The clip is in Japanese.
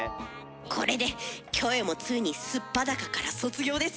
これでキョエもついに素っ裸から卒業です。